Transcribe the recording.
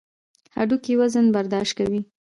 هډوکي وزن برداشت کوي.